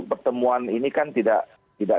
pertemuan ini kan tidak